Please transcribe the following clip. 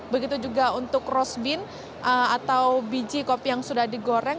begitu juga untuk rose bean atau biji kopi yang sudah digoreng